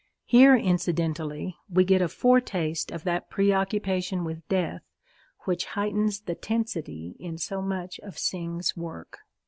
Here, incidentally, we get a foretaste of that preoccupation with death which heightens the tensity in so much of Synge's work.